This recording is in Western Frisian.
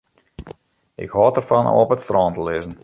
Ik hâld derfan om op it strân te lizzen.